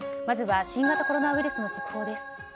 まずは新型コロナウイルスの速報です。